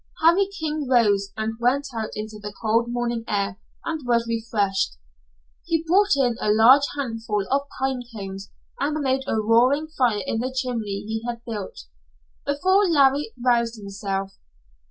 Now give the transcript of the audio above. Harry King rose and went out into the cold morning air and was refreshed. He brought in a large handful of pine cones and made a roaring fire in the chimney he had built, before Larry roused himself.